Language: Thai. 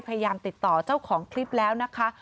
พยายามติดต่อเจ้าของคลิปแล้วนะคะ